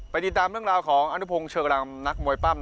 ติดตามเรื่องราวของอนุพงศ์เชอรำนักมวยปั้ม